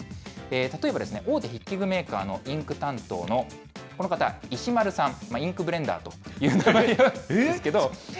例えば、大手筆記具メーカーのインク担当のこの方、石丸さん、インクブレンダーという名前なんですけど。